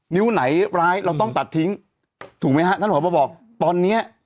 นิ้วไหนร้ายเราต้องตัดทิ้งถูกไหมฮะท่านผอบบอกตอนเนี้ย